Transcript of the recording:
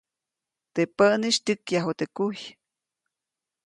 Teʼ päʼnis tyäkyaju teʼ kuy.